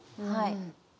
はい。